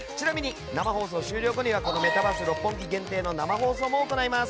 生放送終了後にメタバース六本木限定の生放送も行います。